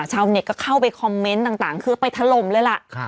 ชาวเน็ตก็เข้าไปคอมเมนต์ต่างคือไปถล่มเลยล่ะ